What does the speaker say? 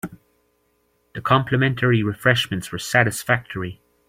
The complimentary refreshments were satisfactory.